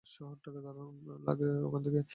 শহরটাকে দারুণ লাগে ওখান থেকে।